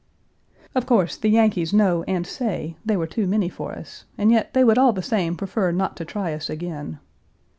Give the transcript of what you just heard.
Of course, the Yankees know and say they were too many for us, and yet they would all the same prefer not to try us again.